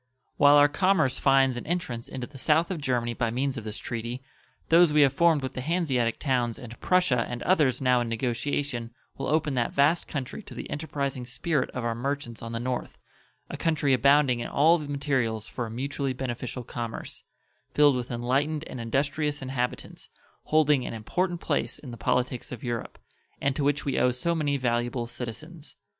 While our commerce finds an entrance into the south of Germany by means of this treaty, those we have formed with the Hanseatic towns and Prussia and others now in negotiation will open that vast country to the enterprising spirit of our merchants on the north a country abounding in all the materials for a mutually beneficial commerce, filled with enlightened and industrious inhabitants, holding an important place in the politics of Europe, and to which we owe so many valuable citizens.